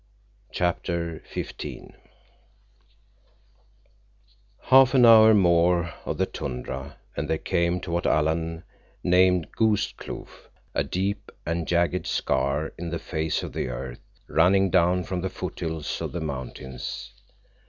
CHAPTER XV Half an hour more of the tundra and they came to what Alan had named Ghost Kloof, a deep and jagged scar in the face of the earth, running down from the foothills of the mountains.